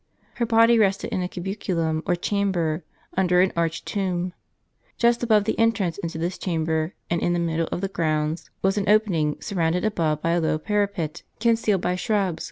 Her body rested in a cuhiculum or chamber, under an arched tomb. Just above the entrance into this chamber, and in the middle of the grounds, was an opening, surrounded above by a low parapet, concealed by shrubs, * St. Aug.